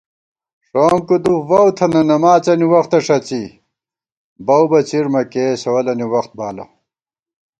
ݭووَم کُدُف واؤ تھنہ نماڅَنی وختہ ݭڅی، بَوُو بہ څِیر مہ کېئیس اَولَنی وخت بالہ